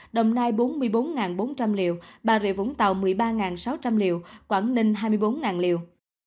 đồng nai bốn mươi bốn bốn trăm linh liều bà rịa vũng tàu một mươi ba sáu trăm linh liều quảng ninh hai mươi bốn liều